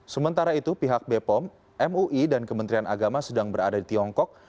sementara itu pihak bepom mui dan kementerian agama sedang berada di tiongkok